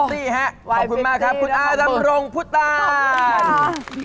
ขอบคุณมากค่ะคุณอานทมาตี